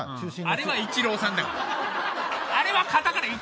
あれはイチローさんだから。